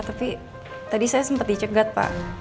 tapi tadi saya sempat dicegat pak